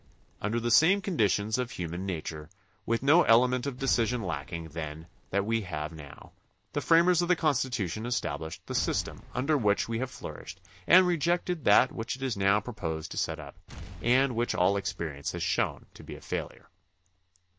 Under the same conditions of human nature, with no element of decision lacking then that we have now, the framers of the Constitution estabUshed the system under which we have flourished and rejected that which it is now proposed to set up and which all THE CONSTITUTION AND ITS MAKEKS 83 experience has shown to be a failure.